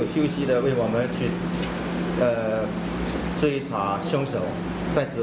และข่าวนะคะแรกที่มันจะรับเนี่ย